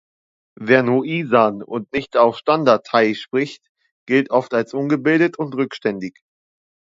Wer nur Isan und nicht auch Standard-Thai spricht, gilt oft als ungebildet und rückständig.